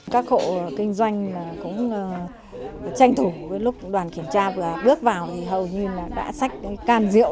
các hộ kinh doanh cũng tranh thủ với lúc đoàn kiểm tra vừa bước vào thì hầu như đã xách cái can rượu